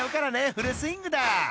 フルスイングだ！］